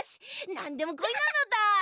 なんでもこいなのだ。